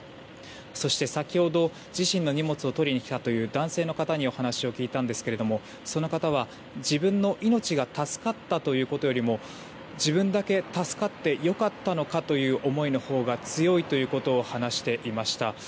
そして、先ほど自身の荷物を取りに来たという男性の方にお話を聞いたんですけどもその方は、自分の命が助かったということよりも自分だけ助かって良かったのかという思いのほうが強いということを話していました。